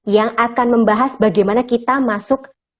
yang akan membahas bagaimana kita masuk